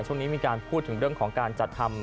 ช่วงนี้มีการพูดถึงเรื่องของการจัดทำ